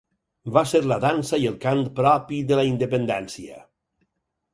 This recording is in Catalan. Va ser la dansa i el cant propi de la independència.